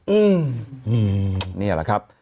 อืมนี่แหละครับ